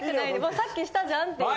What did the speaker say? さっきしたじゃんっていう。